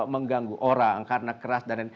mengganggu orang karena keras dan lain